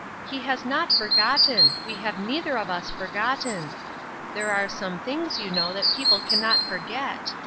He has not forgotten — we have neither of us forgotten ; there are some things, you know, that people cannot forget.